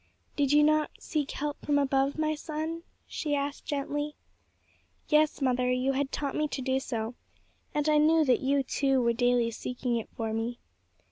"Did you not seek help from above, my son?" she asked gently. "Yes, mother; you had taught me to do so, and I knew that you, too, were daily seeking it for me."